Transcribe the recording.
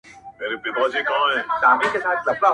ورور د زور برخه ګرځي او خاموش پاتې کيږي-